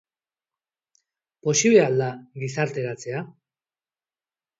Posible al da gizarteratzea?